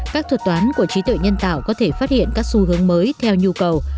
các thuật toán của trí tuệ nhân tạo có thể phát hiện các xu hướng mới theo nhu cầu